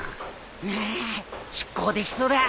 ああ出航できそうだ。